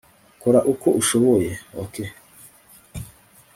kora uko ushoboye, ok